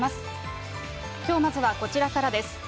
きょうまずはこちらからです。